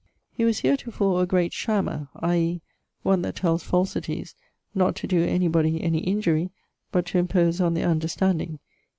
He was heretofore a great shammer, i.e. one that tells falsities not to doe any body any injury, but to impose on their understanding: e.g.